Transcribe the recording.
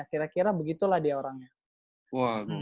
kira kira begitulah dia orangnya